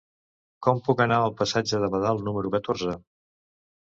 Com puc anar al passatge de Badal número catorze?